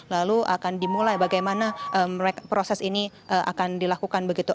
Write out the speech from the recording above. lalu akan dimulai bagaimana proses ini akan dilakukan begitu